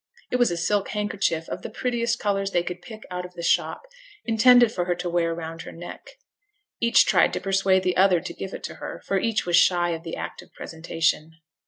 It was a silk handkerchief of the prettiest colours they could pick out of the shop, intended for her to wear round her neck. Each tried to persuade the other to give it to her, for each was shy of the act of presentation.